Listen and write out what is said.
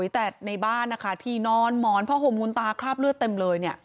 แต่ในบ้านนะคะที่นอนหมอนผ้าห่มมูนตาคราบเลือดเต็มเลย